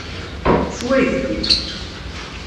Sew ayefki!